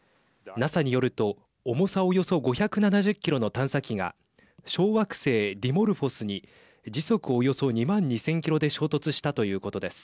ＮＡＳＡによると重さおよそ５７０キロの探査機が小惑星ディモルフォスに時速およそ２万２０００キロで衝突したということです。